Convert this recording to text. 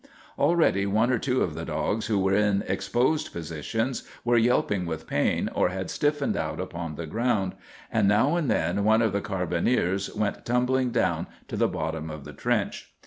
Already one or two of the dogs who were in exposed positions were yelping with pain or had stiffened out upon the ground, and now and then one of the carbineers went tumbling down to the bottom of the trench.